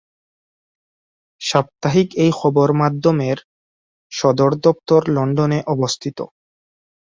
সাপ্তাহিক এই খবর মাধ্যমে সদর দপ্তর লন্ডনে অবস্থিত।